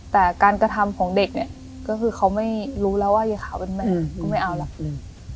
แต่การกระทำของเด็กเนี่ยก็คือเขาไม่รู้แล้วว่ายายขาวเป็นแม่ก็ไม่เอาหรอก